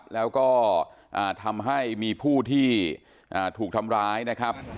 แล้วก็ทำให้มีผู้ที่ถูกทำร้ายนะครับ